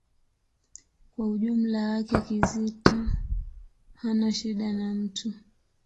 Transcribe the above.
Kwa ujumla wake, Kizito hana shida na mtu.